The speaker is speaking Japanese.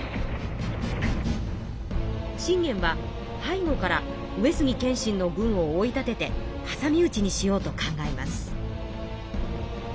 信玄は背後から上杉謙信の軍を追い立ててはさみうちにしようと考えます。